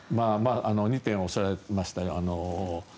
２点おっしゃられましたが